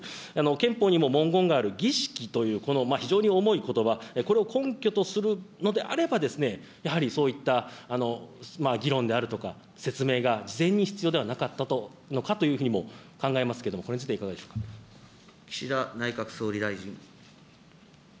憲法にも文言がある儀式という、この非常に重いことば、これを根拠とするのであれば、やはりそういった議論であるとか、説明が事前に必要ではなかったのかというふうにも考えますけれど岸田内閣総理大臣。